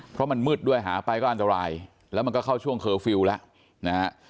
เพราะมันมืดด้วยหาไปก็อันตรายแล้วมันก็เข้าช่วงเคอร์ฟิลล์แล้วนะฮะ